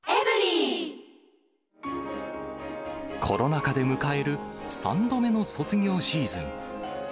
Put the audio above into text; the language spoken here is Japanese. コロナ禍で迎える３度目の卒業シーズン。